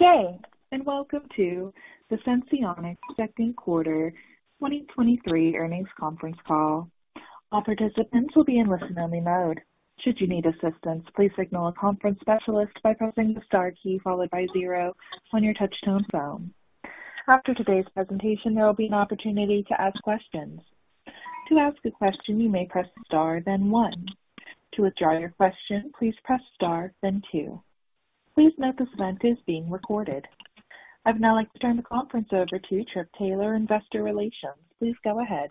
Good day, and welcome to the Senseonics Second Quarter 2023 Earnings Conference Call. All participants will be in listen-only mode. Should you need assistance, please signal a conference specialist by pressing the star key followed by zero on your touch-tone phone. After today's presentation, there will be an opportunity to ask questions. To ask a question, you may press star, then one. To withdraw your question, please press star, then two. Please note this event is being recorded. I'd now like to turn the conference over to Trip Taylor, Investor Relations. Please go ahead.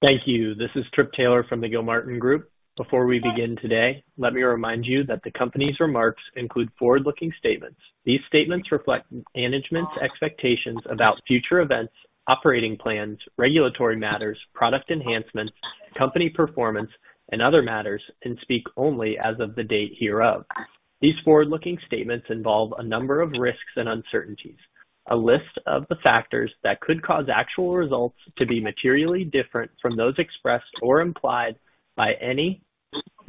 Thank you. This is Trip Taylor from The Gilmartin Group. Before we begin today, let me remind you that the company's remarks include forward-looking statements. These statements reflect management's expectations about future events, operating plans, regulatory matters, product enhancements, company performance, and other matters, and speak only as of the date hereof. These forward-looking statements involve a number of risks and uncertainties. A list of the factors that could cause actual results to be materially different from those expressed or implied by any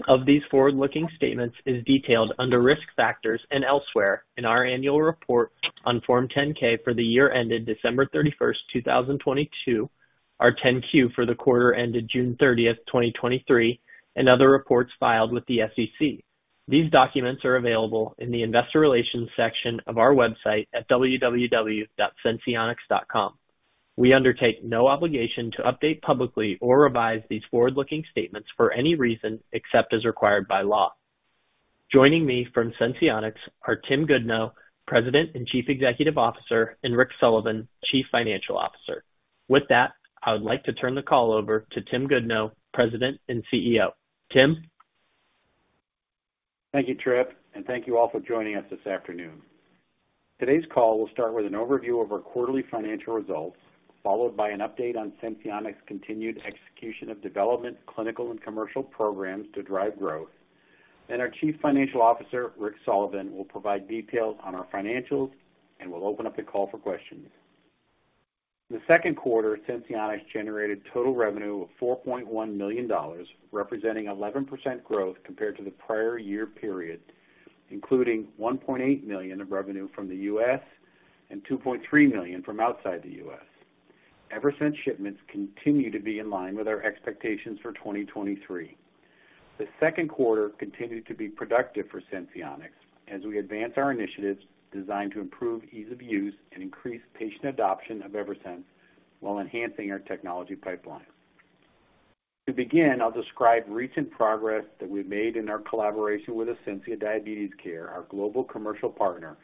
of these forward-looking statements is detailed under Risk Factors and elsewhere in our annual report on Form 10-K for the year ended December 31, 2022, our Form 10-Q for the quarter ended June 30, 2023, and other reports filed with the SEC. These documents are available in the Investor Relations section of our website at www.senseonics.com. We undertake no obligation to update publicly or revise these forward-looking statements for any reason except as required by law. Joining me from Senseonics are Tim Goodnow, President and Chief Executive Officer, and Rick Sullivan, Chief Financial Officer. With that, I would like to turn the call over to Tim Goodnow, President and CEO. Tim? Thank you, Trip. Thank you all for joining us this afternoon. Today's call will start with an overview of our quarterly financial results, followed by an update on Senseonics' continued execution of development, clinical and commercial programs to drive growth. Our Chief Financial Officer, Rick Sullivan, will provide details on our financials. We'll open up the call for questions. In the second quarter, Senseonics generated total revenue of $4.1 million, representing 11% growth compared to the prior year period, including $1.8 million of revenue from the U.S. and $2.3 million from outside the U.S. Eversense shipments continue to be in line with our expectations for 2023. The second quarter continued to be productive for Senseonics as we advance our initiatives designed to improve ease of use and increase patient adoption of Eversense while enhancing our technology pipeline. To begin, I'll describe recent progress that we've made in our collaboration with Ascensia Diabetes Care, our global commercial partner,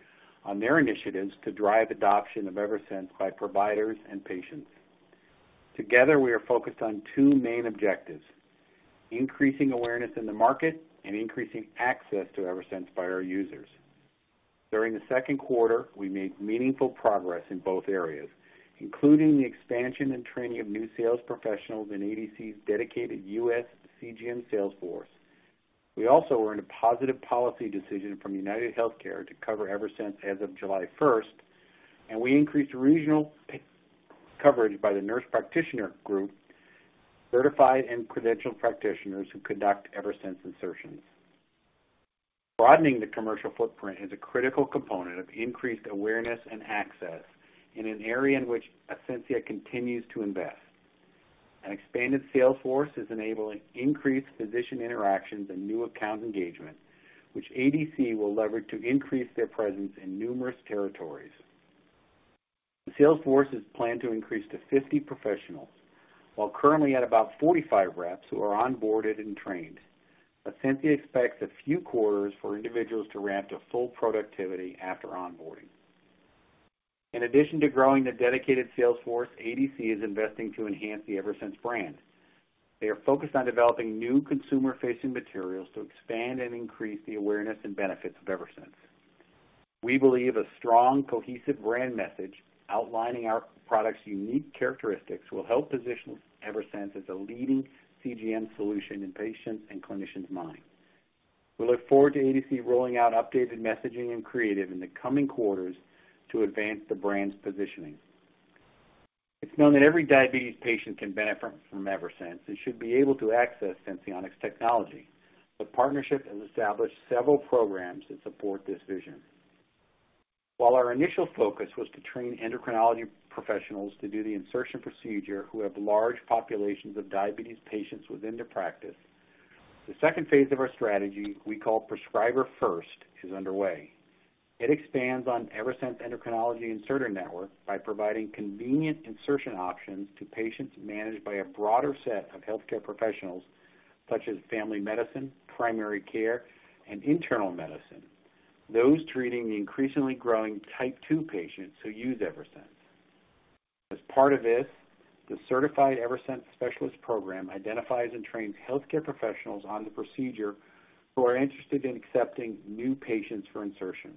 on their initiatives to drive adoption of Eversense by providers and patients. Together, we are focused on two main objectives: increasing awareness in the market and increasing access to Eversense by our users. During the second quarter, we made meaningful progress in both areas, including the expansion and training of new sales professionals in ADC's dedicated U.S. CGM sales force. We also earned a positive policy decision from UnitedHealthcare to cover Eversense as of July 1st and we increased regional coverage by the Nurse Practitioner Group, certified and credentialed practitioners who conduct Eversense insertions. Broadening the commercial footprint is a critical component of increased awareness and access in an area in which Ascensia continues to invest. An expanded sales force is enabling increased physician interactions and new account engagement, which ADC will leverage to increase their presence in numerous territories. The sales force is planned to increase to 50 professionals, while currently at about 45 reps who are onboarded and trained. Ascensia expects a few quarters for individuals to ramp to full productivity after onboarding. In addition to growing the dedicated sales force, ADC is investing to enhance the Eversense brand. They are focused on developing new consumer-facing materials to expand and increase the awareness and benefits of Eversense. We believe a strong, cohesive brand message outlining our product's unique characteristics will help position Eversense as a leading CGM solution in patients' and clinicians' minds. We look forward to ADC rolling out updated messaging and creative in the coming quarters to advance the brand's positioning. It's known that every diabetes patient can benefit from Eversense and should be able to access Senseonics technology. The partnership has established several programs that support this vision. While our initial focus was to train endocrinology professionals to do the insertion procedure, who have large populations of diabetes patients within their practice, the second phase of our strategy, we call prescriber first, is underway. It expands on Eversense Endocrinology Inserter network by providing convenient insertion options to patients managed by a broader set of healthcare professionals such as family medicine, primary care, and internal medicine, those treating the increasingly type 2 patients who use Eversense. As part of this, the Certified Eversense Specialist program identifies and trains healthcare professionals on the procedure who are interested in accepting new patients for insertion.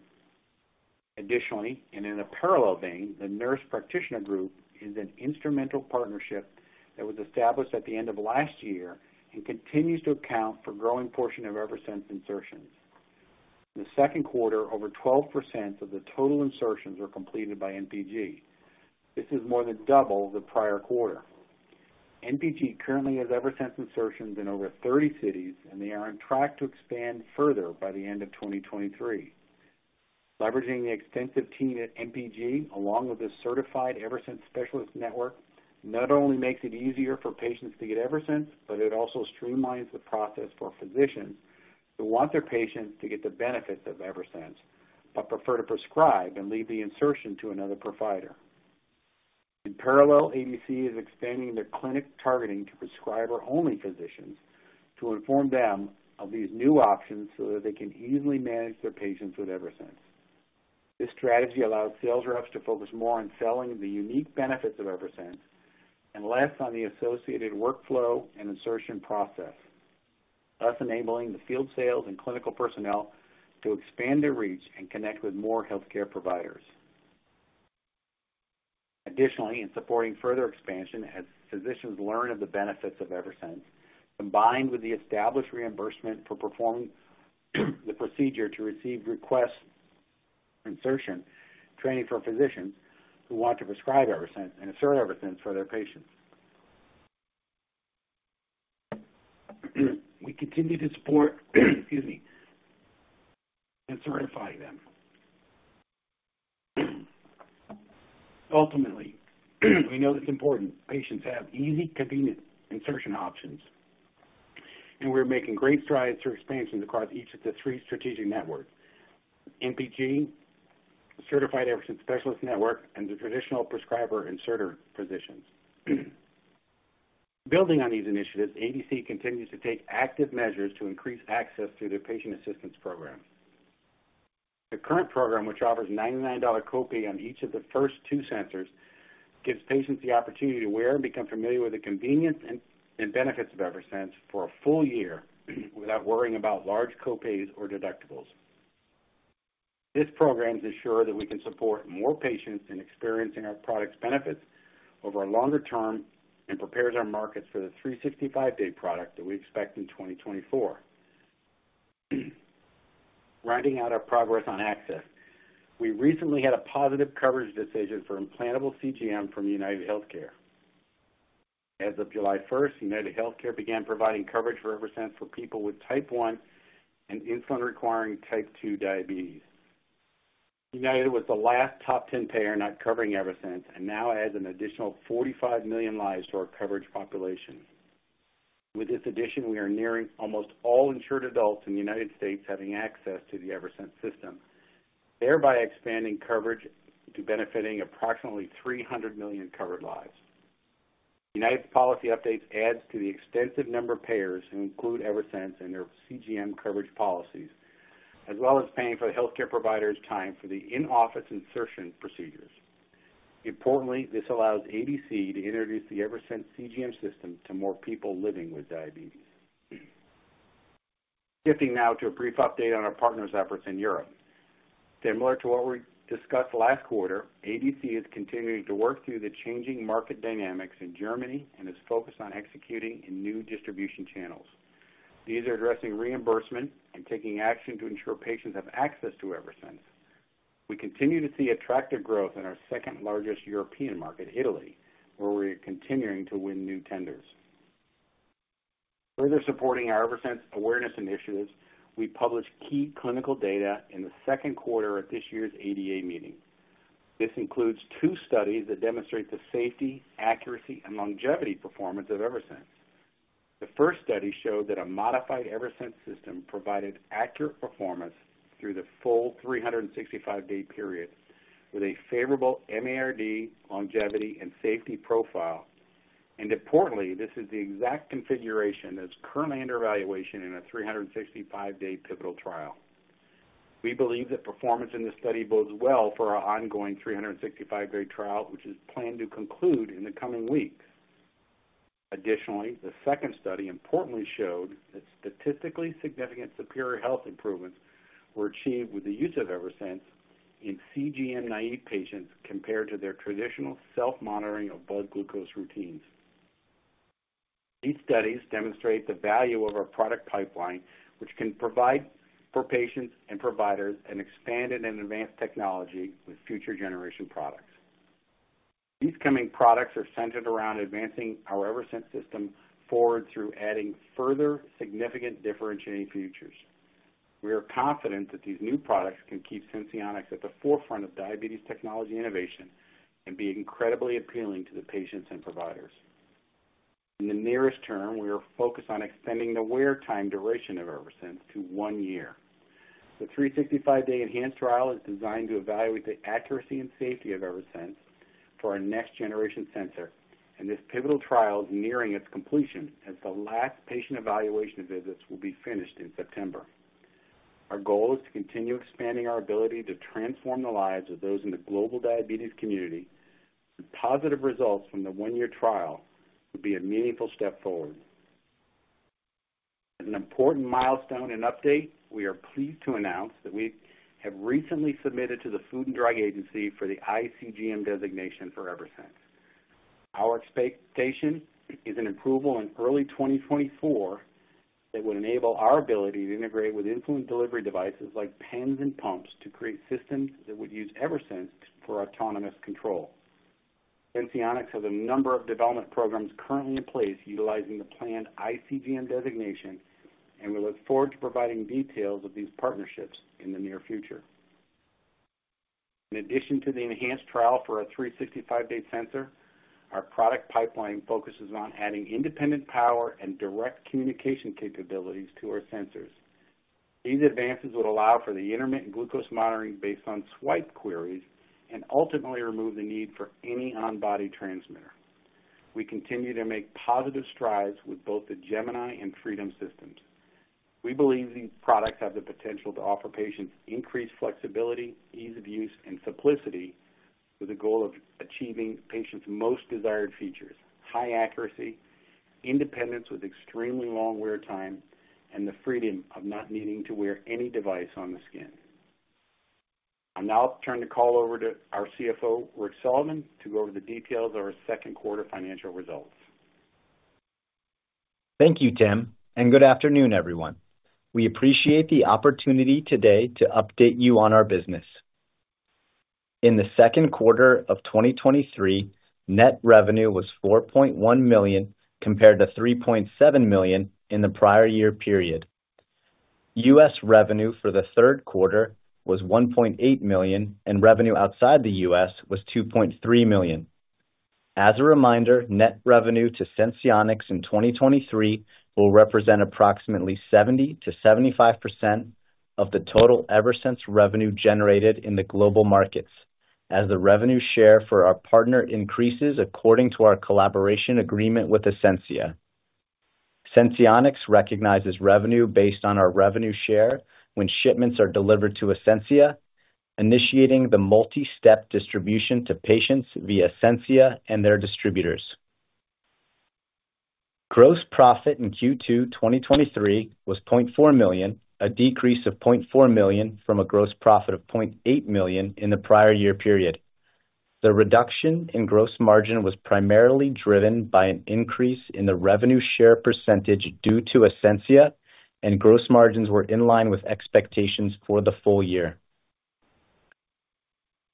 Additionally, in a parallel vein, the Nurse Practitioner Group is an instrumental partnership that was established at the end of last year and continues to account for a growing portion of Eversense insertions. In the second quarter, over 12% of the total insertions were completed by NPG. This is more than double the prior quarter. NPG currently has Eversense insertions in over 30 cities, and they are on track to expand further by the end of 2023. Leveraging the extensive team at NPG, along with the Certified Eversense Specialist Network, not only makes it easier for patients to get Eversense, but it also streamlines the process for physicians who want their patients to get the benefits of Eversense, but prefer to prescribe and leave the insertion to another provider. In parallel, ADC is expanding their clinic targeting to prescriber-only physicians to inform them of these new options so that they can easily manage their patients with Eversense. This strategy allows sales reps to focus more on selling the unique benefits of Eversense and less on the associated workflow and insertion process, thus enabling the field sales and clinical personnel to expand their reach and connect with more healthcare providers. Additionally, in supporting further expansion, as physicians learn of the benefits of Eversense, combined with the established reimbursement for performing the procedure to receive requests, insertion, training for physicians who want to prescribe Eversense and insert Eversense for their patients, we continue to support, excuse me, and certify them. Ultimately, we know it's important patients have easy, convenient insertion options, and we're making great strides for expansion across each of the three strategic networks: NPG, Certified Eversense Specialist Network, and the traditional prescriber inserter physicians. Building on these initiatives, ADC continues to take active measures to increase access through their patient assistance program. The current program, which offers a $99 copay on each of the first two sensors, gives patients the opportunity to wear and become familiar with the convenience and benefits of Eversense for a full year without worrying about large copays or deductibles. This program is assured that we can support more patients in experiencing our product's benefits over a longer term and prepares our markets for the 365-day product that we expect in 2024. Rounding out our progress on access, we recently had a positive coverage decision for implantable CGM from UnitedHealthcare. As of July first, UnitedHealthcare began providing coverage for Eversense for people with type 1 and insulin-requiring type 2 diabetes. United was the last top 10 payer not covering Eversense, and now adds an additional 45 million lives to our coverage population. With this addition, we are nearing almost all insured adults in the United States having access to the Eversense system, thereby expanding coverage to benefiting approximately 300 million covered lives. United's policy updates adds to the extensive number of payers who include Eversense in their CGM coverage policies, as well as paying for the healthcare provider's time for the in-office insertion procedures. Importantly, this allows ADC to introduce the Eversense CGM system to more people living with diabetes. Shifting now to a brief update on our partners' efforts in Europe. Similar to what we discussed last quarter, ADC is continuing to work through the changing market dynamics in Germany and is focused on executing in new distribution channels. These are addressing reimbursement and taking action to ensure patients have access to Eversense. We continue to see attractive growth in our second-largest European market, Italy, where we are continuing to win new tenders. Further supporting our Eversense awareness initiatives, we published key clinical data in the second quarter of this year's ADA meeting. This includes two studies that demonstrate the safety, accuracy, and longevity performance of Eversense. The first study showed that a modified Eversense system provided accurate performance through the full 365-day period, with a favorable MARD, longevity, and safety profile. Importantly, this is the exact configuration that's currently under evaluation in a 365-day pivotal trial. We believe that performance in this study bodes well for our ongoing 365-day trial, which is planned to conclude in the coming weeks. Additionally, the second study importantly showed that statistically significant superior health improvements were achieved with the use of Eversense in CGM naive patients, compared to their traditional self-monitoring of blood glucose routines. These studies demonstrate the value of our product pipeline, which can provide for patients and providers an expanded and advanced technology with future generation products. These coming products are centered around advancing our Eversense system forward through adding further significant differentiating features. We are confident that these new products can keep Senseonics at the forefront of diabetes technology innovation and be incredibly appealing to the patients and providers. In the nearest term, we are focused on extending the wear time duration of Eversense to one year. The 365-day ENHANCE trial is designed to evaluate the accuracy and safety of Eversense for our next generation sensor. This pivotal trial is nearing its completion, as the last patient evaluation visits will be finished in September. Our goal is to continue expanding our ability to transform the lives of those in the global diabetes community. The positive results from the 1-year trial will be a meaningful step forward. An important milestone and update, we are pleased to announce that we have recently submitted to the Food and Drug Administration for the iCGM designation for Eversense. Our expectation is an approval in early 2024. That would enable our ability to integrate with insulin delivery devices like pens and pumps, to create systems that would use Eversense for autonomous control. Senseonics has a number of development programs currently in place utilizing the planned iCGM designation. We look forward to providing details of these partnerships in the near future. In addition to the ENHANCE trial for our 365-day sensor, our product pipeline focuses on adding independent power and direct communication capabilities to our sensors. These advances would allow for the intermittent glucose monitoring based on swipe queries and ultimately remove the need for any on-body transmitter. We continue to make positive strides with both the Gemini and Freedom systems. We believe these products have the potential to offer patients increased flexibility, ease of use, and simplicity, with the goal of achieving patients' most desired features: high accuracy, independence with extremely long wear time, and the freedom of not needing to wear any device on the skin. I'll now turn the call over to our CFO, Rick Sullivan, to go over the details of our second quarter financial results. Thank you, Tim, and good afternoon, everyone. We appreciate the opportunity today to update you on our business. In the second quarter of 2023, net revenue was $4.1 million, compared to $3.7 million in the prior year period. U.S. revenue for the third quarter was $1.8 million, and revenue outside the U.S. was $2.3 million. As a reminder, net revenue to Senseonics in 2023 will represent approximately 70%-75% of the total Eversense revenue generated in the global markets, as the revenue share for our partner increases according to our collaboration agreement with Ascensia. Senseonics recognizes revenue based on our revenue share when shipments are delivered to Ascensia, initiating the multi-step distribution to patients via Ascensia and their distributors. Gross profit in Q2 2023 was $0.4 million, a decrease of $0.4 million from a gross profit of $0.8 million in the prior year period. The reduction in gross margin was primarily driven by an increase in the revenue share precentage due to Ascensia, and gross margins were in line with expectations for the full year.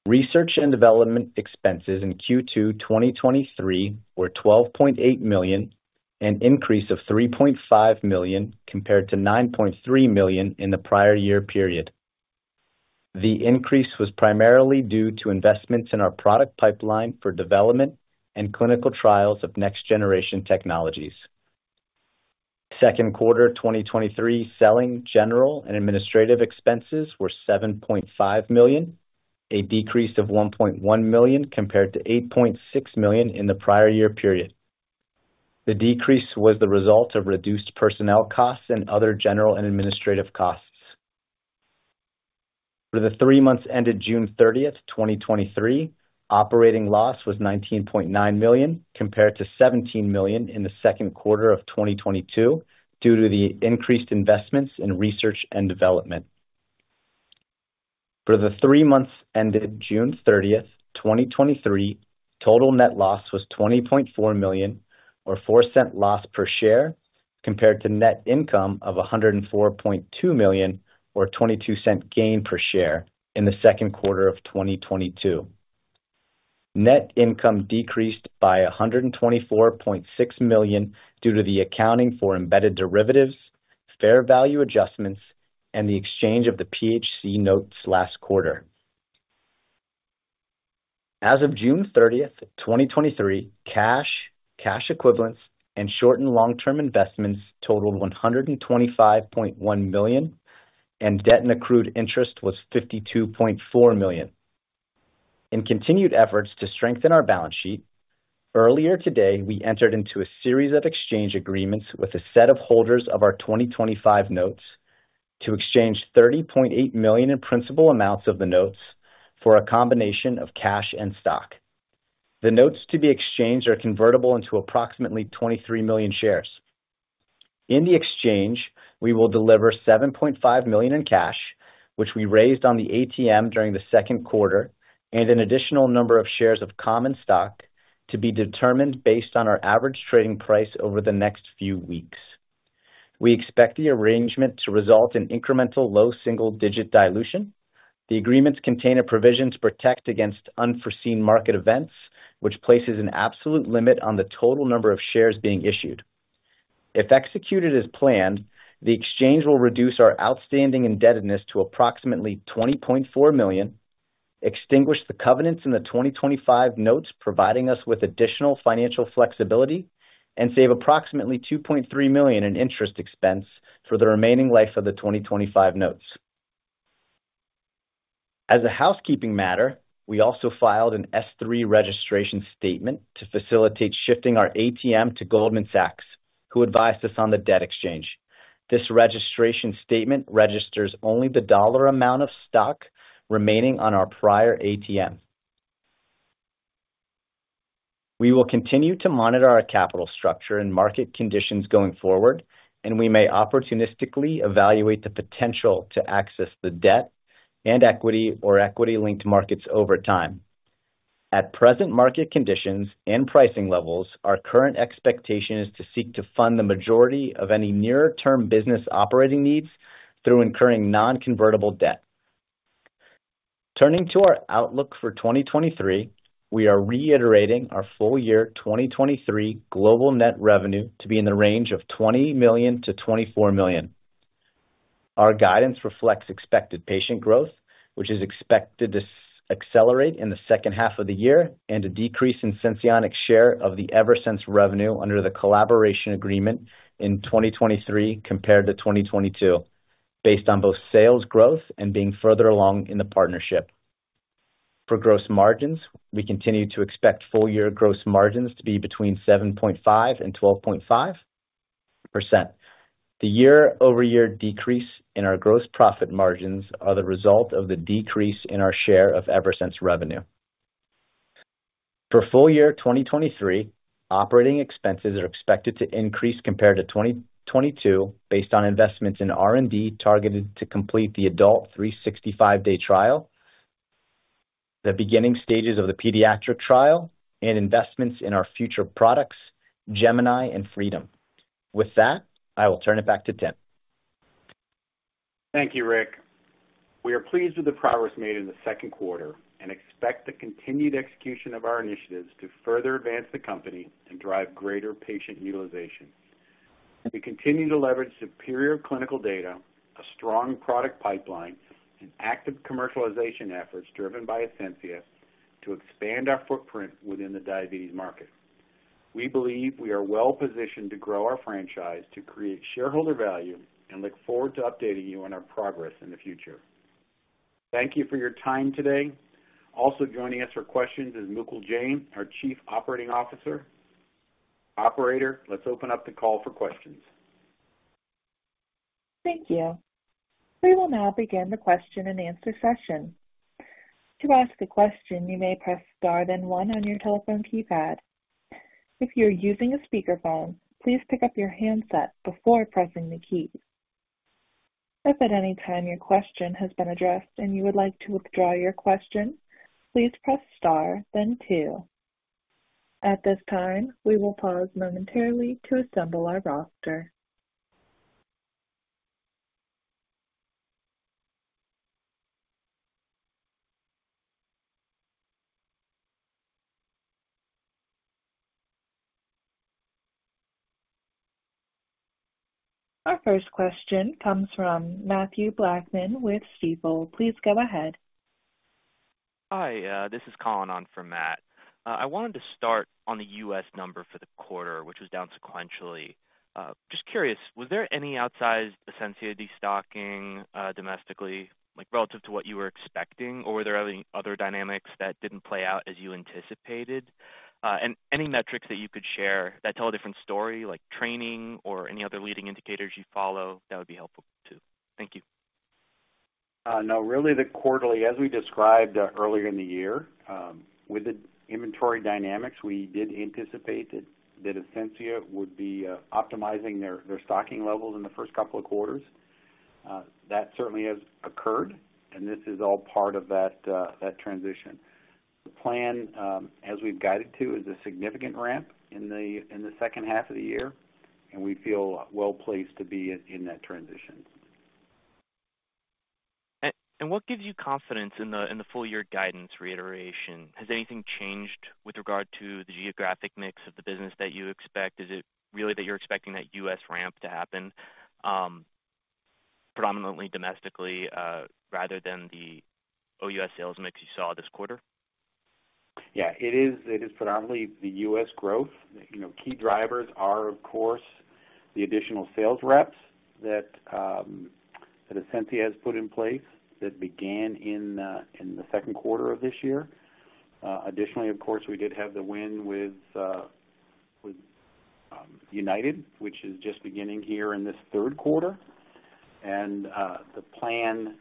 Research and development expenses in Q2 2023 were $12.8 million, an increase of $3.5 million compared to $9.3 million in the prior year period. The increase was primarily due to investments in our product pipeline for development and clinical trials of next-generation technologies. Second quarter 2023 selling, general and administrative expenses were $7.5 million, a decrease of $1.1 million compared to $8.6 million in the prior year period. The decrease was the result of reduced personnel costs and other general and administrative costs. For the three months ended June 30th, 2023, operating loss was $19.9 million, compared to $17 million in Q2 2022, due to the increased investments in R&D. For the three months ended June 30th, 2023, total net loss was $20.4 million, or $0.04 loss per share, compared to net income of $104.2 million, or $0.22 gain per share in Q2 2022. Net income decreased by $124.6 million due to the accounting for embedded derivatives, fair value adjustments, and the exchange of the PHC Notes last quarter. As of June 30th, 2023, cash, cash equivalents, and short and long-term investments totaled $125.1 million, and debt and accrued interest was $52.4 million. In continued efforts to strengthen our balance sheet, earlier today, we entered into a series of exchange agreements with a set of holders of our 2025 Notes to exchange $30.8 million in principal amounts of the notes for a combination of cash and stock. The notes to be exchanged are convertible into approximately 23 million shares. In the exchange, we will deliver $7.5 million in cash, which we raised on the ATM during the second quarter, and an additional number of shares of common stock to be determined based on our average trading price over the next few weeks. We expect the arrangement to result in incremental low double single-digit dilution. The agreements contain a provision to protect against unforeseen market events, which places an absolute limit on the total number of shares being issued. If executed as planned, the exchange will reduce our outstanding indebtedness to approximately $20.4 million, extinguish the covenants in the 2025 Notes, providing us with additional financial flexibility, and save approximately $2.3 million in interest expense for the remaining life of the 2025 Notes. As a housekeeping matter, we also filed an S-3 registration statement to facilitate shifting our ATM to Goldman Sachs, who advised us on the debt exchange. This registration statement registers only the dollar amount of stock remaining on our prior ATM. We will continue to monitor our capital structure and market conditions going forward, and we may opportunistically evaluate the potential to access the debt and equity or equity-linked markets over time. At present market conditions and pricing levels, our current expectation is to seek to fund the majority of any nearer-term business operating needs through incurring non-convertible debt. Turning to our outlook for 2023, we are reiterating our full year 2023 global net revenue to be in the range of $20 million-$24 million. Our guidance reflects expected patient growth, which is expected to accelerate in the second half of the year, and a decrease in Senseonics' share of the Eversense revenue under the collaboration agreement in 2023 compared to 2022, based on both sales growth and being further along in the partnership. For gross margins, we continue to expect full year gross margins to be between 7.5% and 12.5%. The year-over-year decrease in our gross profit margins are the result of the decrease in our share of Eversense revenue. For full year 2023, operating expenses are expected to increase compared to 2022, based on investments in R&D, targeted to complete the adult 365-day trial, the beginning stages of the pediatric trial, and investments in our future products, Gemini and Freedom. With that, I will turn it back to Tim. Thank you, Rick. We are pleased with the progress made in the second quarter and expect the continued execution of our initiatives to further advance the company and drive greater patient utilization. We continue to leverage superior clinical data, a strong product pipeline, and active commercialization efforts driven by Ascensia to expand our footprint within the diabetes market. We believe we are well positioned to grow our franchise to create shareholder value and look forward to updating you on our progress in the future. Thank you for your time today. Also joining us for questions is Mukul Jain, our Chief Operating Officer. Operator, let's open up the call for questions. Thank you. We will now begin the question-and-answer session. To ask a question, you may press star, then one on your telephone keypad. If you're using a speakerphone, please pick up your handset before pressing the key. If at any time your question has been addressed and you would like to withdraw your question, please press star, then two. At this time, we will pause momentarily to assemble our roster. Our first question comes from Matthew Blackman with Stifel. Please go ahead. Hi, this is Colin on for Matt. I wanted to start on the U.S. number for the quarter, which was down sequentially. Just curious, was there any outsized Ascensia destocking, domestically, like, relative to what you were expecting? Or were there other, other dynamics that didn't play out as you anticipated? Any metrics that you could share that tell a different story, like training or any other leading indicators you follow, that would be helpful, too. Thank you. No, really, the quarterly, as we described, earlier in the year, with the inventory dynamics, we did anticipate that, that Ascensia would be optimizing their, their stocking levels in the first couple of quarters. That certainly has occurred, and this is all part of that, that transition. The plan, as we've guided to, is a significant ramp in the, in the second half of the year, and we feel well placed to be in, in that transition. What gives you confidence in the, in the full year guidance reiteration? Has anything changed with regard to the geographic mix of the business that you expect? Is it really that you're expecting that U.S. ramp to happen, predominantly domestically, rather than the OUS sales mix you saw this quarter? Yeah, it is. It is predominantly the U.S. growth. You know, key drivers are, of course, the additional sales reps that Ascensia has put in place that began in the second quarter of this year. Additionally, of course, we did have the win with United, which is just beginning here in this third quarter. The plan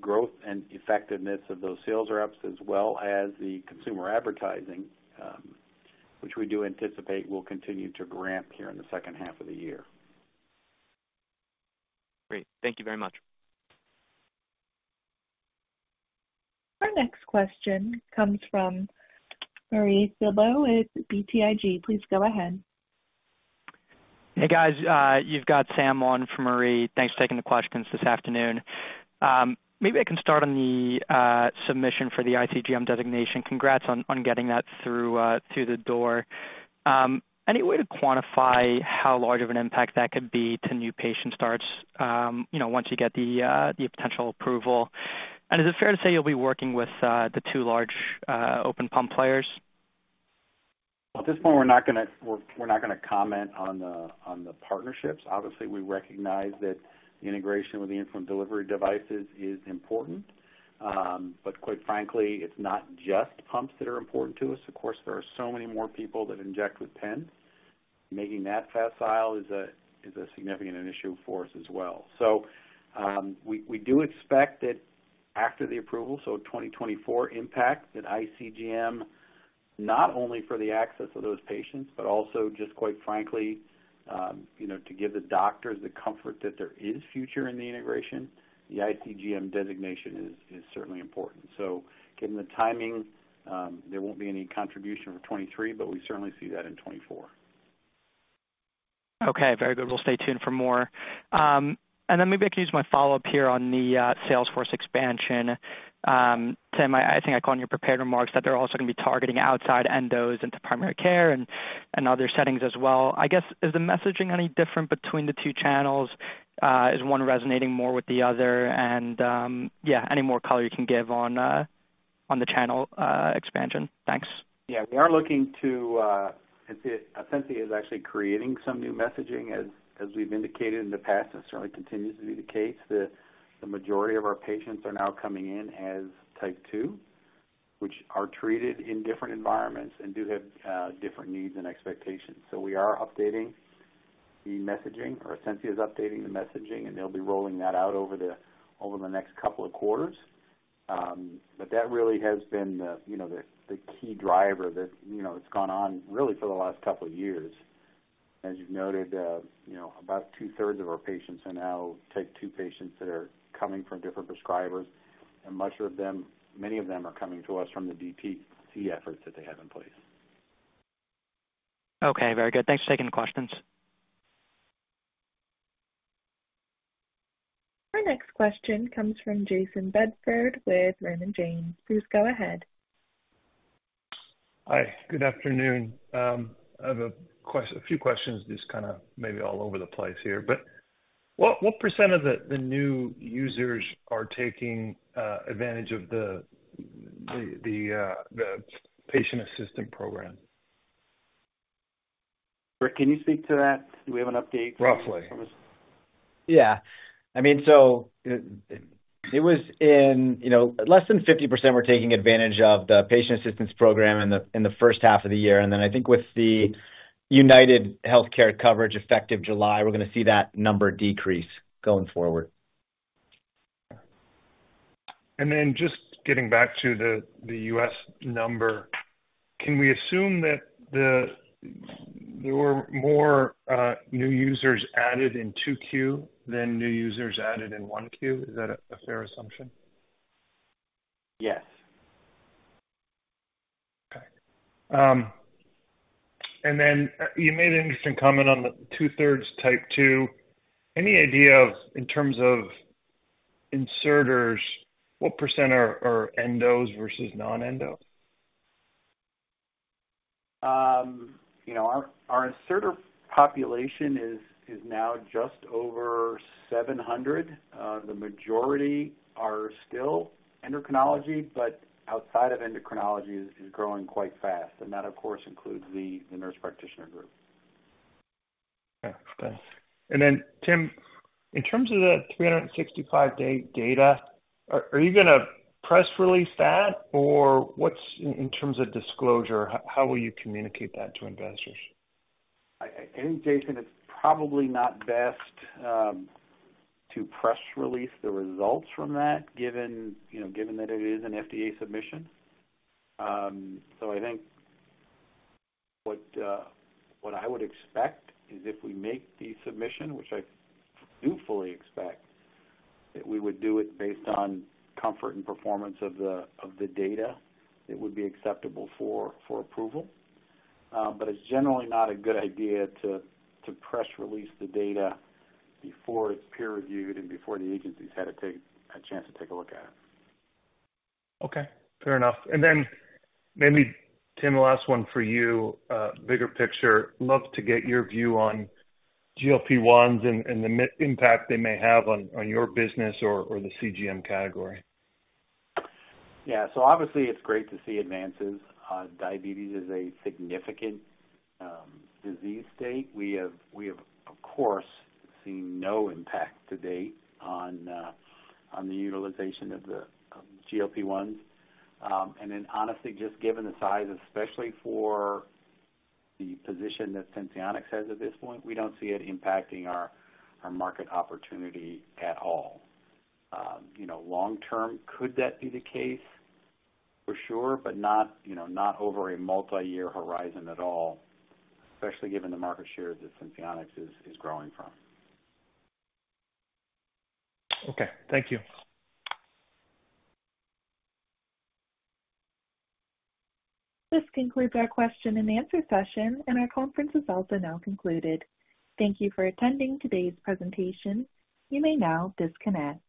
growth and effectiveness of those sales reps, as well as the consumer advertising, which we do anticipate will continue to ramp here in the second half of the year. Great. Thank you very much. Our next question comes from Marie Thibault with BTIG. Please go ahead. Hey, guys, you've got Sam on for Marie. Thanks for taking the questions this afternoon. Maybe I can start on the submission for the iCGM designation. Congrats on, on getting that through through the door. Any way to quantify how large of an impact that could be to new patient starts, you know, once you get the potential approval? Is it fair to say you'll be working with the two large open pump players? At this point, we're not gonna comment on the partnerships. Obviously, we recognize that integration with the insulin delivery devices is important. Quite frankly, it's not just pumps that are important to us. Of course, there are so many more people that inject with pens. Making that facile is a significant initiative for us as well. We do expect that after the approval, so 2024 impact, that iCGM... not only for the access of those patients, but also just quite frankly, you know, to give the doctors the comfort that there is future in the integration, the iCGM designation is certainly important. Given the timing, there won't be any contribution for 2023, but we certainly see that in 2024. Okay, very good. We'll stay tuned for more. Maybe I can use my follow-up here on the sales force expansion. Tim, I think I call on your prepared remarks that they're also gonna be targeting outside endos into primary care and other settings as well. I guess, is the messaging any different between the two channels? Is one resonating more with the other? Yeah, any more color you can give on the channel expansion? Thanks. Yeah, we are looking to, and see, Ascensia is actually creating some new messaging. As, as we've indicated in the past, that certainly continues to be the case, that the majority of our patients are now coming in as type 2, which are treated in different environments and do have different needs and expectations. We are updating the messaging, or Ascensia is updating the messaging, and they'll be rolling that out over the, over the next couple of quarters. That really has been the, you know, the, the key driver that, you know, it's gone on really for the last couple of years. As you've noted, you know, about two-thirds of our patients are now type 2 patients that are coming from different prescribers, and much of them, many of them are coming to us from the DTC efforts that they have in place. Okay, very good. Thanks for taking the questions. Our next question comes from Jason Bedford with Raymond James. Please go ahead. Hi, good afternoon. I have a few questions, just kind of maybe all over the place here. What, what percent of the new users are taking advantage of the patient assistance program? Rick, can you speak to that? Do we have an update- Roughly. Yeah. I mean, so it, it was in, you know, less than 50% were taking advantage of the patient assistance program in the first half of the year. Then I think with the UnitedHealthcare coverage effective July, we're gonna see that number decrease going forward. Then just getting back to the U.S. number, can we assume that there were more new users added in 2Q than new users added in 1Q? Is that a fair assumption? Yes. Okay. Then, you made an interesting comment on the 2/3 type 2. Any idea of, in terms of inserters, what percent are, are endos versus non-endos? You know, our, our inserter population is, is now just over 700. The majority are still endocrinology, but outside of endocrinology is, is growing quite fast, and that, of course, includes the, the Nurse Practitioner Group. Okay, thanks. Tim, in terms of the 365 day data, are you gonna press release that? Or what's, in terms of disclosure, how will you communicate that to investors? I think, Jason, it's probably not best to press release the results from that, given, you know, given that it is an FDA submission. I think what, what I would expect is if we make the submission, which I do fully expect, that we would do it based on comfort and performance of the, of the data, it would be acceptable for, for approval. It's generally not a good idea to, to press release the data before it's peer-reviewed and before the agency's had a chance to take a look at it. Okay, fair enough. Then maybe, Tim, the last one for you. Bigger picture. Love to get your view on GLP-1s and the impact they may have on your business or the CGM category. Yeah. Obviously, it's great to see advances. Diabetes is a significant disease state. We have, we have, of course, seen no impact to date on the utilization of the GLP-1s. Honestly, just given the size, especially for the position that Senseonics has at this point, we don't see it impacting our market opportunity at all. You know, long term, could that be the case? For sure, but not, you know, not over a multiyear horizon at all, especially given the market shares that Senseonics is, is growing from. Okay, thank you. This concludes our question-and-answer session, and our conference is also now concluded. Thank you for attending today's presentation. You may now disconnect.